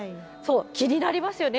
気になりますよね。